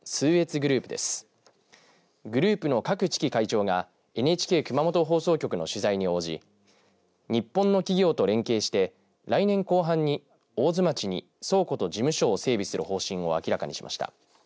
グループの郭智輝会長がＮＨＫ熊本放送局の取材に応じ日本の企業と連携して来年後半に大津町に倉庫と事務所を整備する方針を明らかにしました。